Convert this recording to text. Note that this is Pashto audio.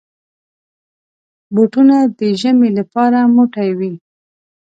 بوټونه د ژمي لپاره موټي وي.